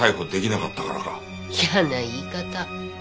嫌な言い方。